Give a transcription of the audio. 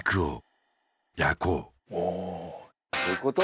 どういうこと？